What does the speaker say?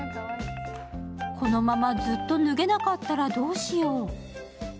このままずっと脱げなかったらどうしよう。